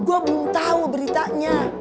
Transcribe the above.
gue belum tau beritanya